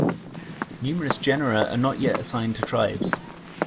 Numerous genera are not yet assigned to tribes.